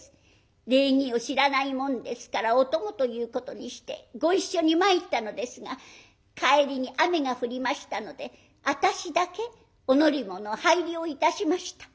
礼儀を知らないもんですからお供ということにしてご一緒に参ったのですが帰りに雨が降りましたので私だけお乗り物を拝領いたしました。